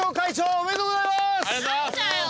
ありがとうございます。